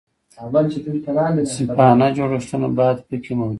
منصفانه جوړښتونه باید پکې موجود وي.